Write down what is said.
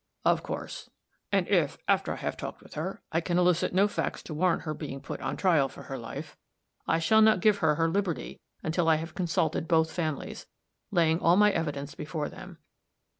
"Of course. And if, after I have talked with her, I can elicit no facts to warrant her being put on trial for her life, I shall not give her her liberty until I have consulted both families, laying all my evidence before them.